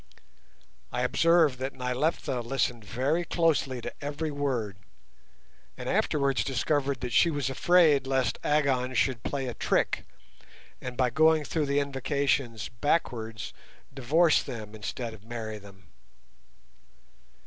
I observed that Nyleptha listened very closely to every word, and afterwards discovered that she was afraid lest Agon should play her a trick, and by going through the invocations backwards divorce them instead of marry them.